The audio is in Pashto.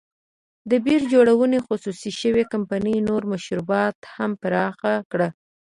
د بیر جوړونې خصوصي شوې کمپنۍ نورو مشروباتو ته هم پراخ کړ.